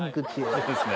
そうですか。